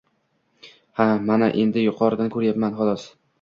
Ha, mana endi yuqoridan ko‘ryapman xolos.